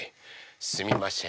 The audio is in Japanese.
すみません